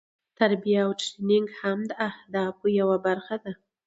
تربیه او ټریننګ هم د اهدافو یوه برخه ده.